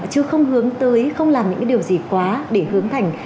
chứ không hướng tới không làm những điều gì quá để hướng thành